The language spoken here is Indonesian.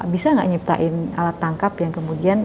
bisa nggak nyiptain alat tangkap yang kemudian